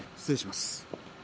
失礼します。